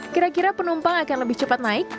kira kira penumpang akan lebih cepat naik